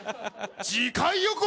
「次回予告！」